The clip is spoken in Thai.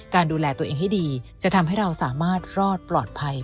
การดูแลตัวเองให้ดีจะทำให้เราสามารถรอดปลอดภัย